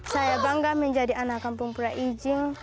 saya bangga menjadi anak kampung prai iji